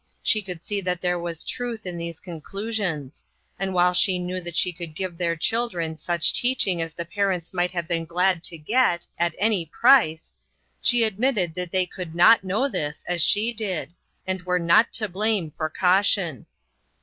She could see that there was truth in these conclusions; and while she knew that she could give their children such teaching as the parents might have been glad to get, at any price, she AN OPEN DOOR. 53 admitted that they could not know this as she did, and were not to blame for cau tion.